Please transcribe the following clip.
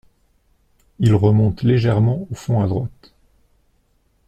Il remonte légèrement au fond à droite.